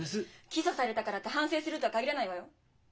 起訴されたからって反省するとは限らないわよ。